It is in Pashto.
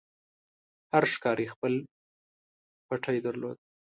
هر ښکاري خپل پټی درلود.